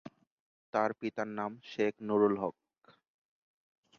তার পিতার নাম শেখ নুরুল হক।